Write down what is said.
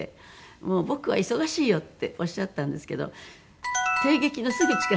「もう僕は忙しいよ」っておっしゃったんですけど帝劇のすぐ近くに日比谷野音が。